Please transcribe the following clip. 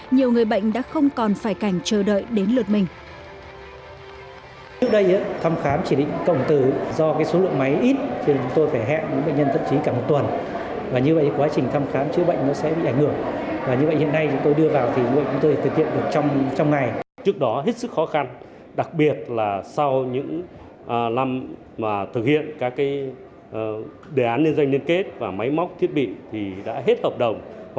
nhiều người bệnh đã không còn phải cảnh chờ đợi đến lượt mình